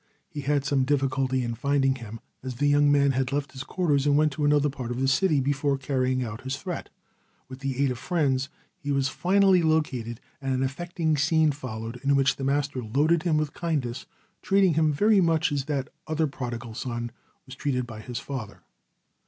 He had some difficulty in finding him, as the young man had left his quarters and went to another part of the city before carrying out his threat. With the aid of friends he was finally located and an affecting scene followed in which the master loaded him with kindness, treating him very much as that other prodigal son was treated by his father.